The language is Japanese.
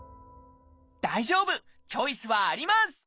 大丈夫チョイスはあります！